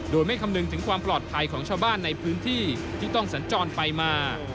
โดยไม่คำนึงถึงความปลอดภัยของชาวบ้านในพื้นที่ที่ต้องสัญจรไปมา